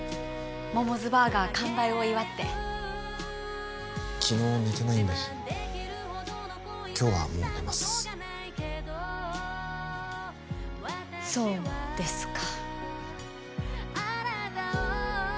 モモズバーガー完売を祝って昨日寝てないんで今日はもう寝ますそうですか